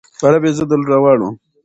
انټرنېټ د خلکو ترمنځ اړیکې ګړندۍ کړې دي.